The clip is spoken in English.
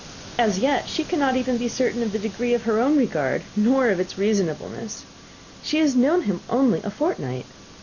As yet she cannot even be certain of the degree of her own regard, nor of its reasonableness. She has known him only a fortnight.